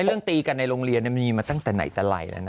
เรื่องตีกันในโรงเรียนมันมีมาตั้งแต่ไหนแต่ไรแล้วนะ